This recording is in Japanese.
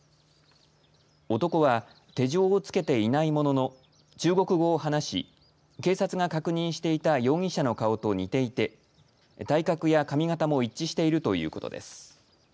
男は手錠を付けていないものの中国を話し警察が確認していた容疑者の顔と似ていて体格や髪型も一致しているということです。